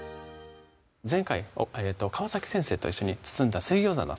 前回川先生と一緒に包んだ水餃子の